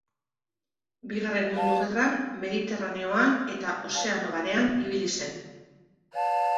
Bigarren Mundu Gerran Mediterraneoan eta Ozeano Barean ibili zen.